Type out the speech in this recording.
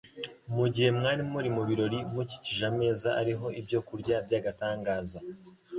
Mu gihe mwari muri mu birori mukikije ameza ariho ibyo kurya by'agatangaza,